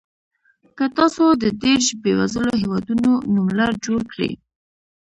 که تاسو د دېرش بېوزلو هېوادونو نوملړ جوړ کړئ.